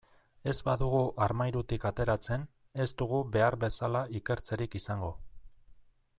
Ez badugu armairutik ateratzen, ez dugu behar bezala ikertzerik izango.